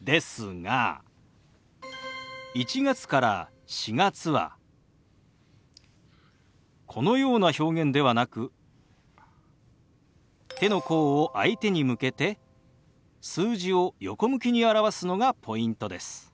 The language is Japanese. ですが１月から４月はこのような表現ではなく手の甲を相手に向けて数字を横向きに表すのがポイントです。